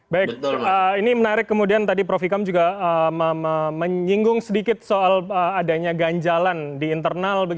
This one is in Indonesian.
baik ini menarik kemudian tadi prof ikam juga menyinggung sedikit soal adanya ganjalan di internal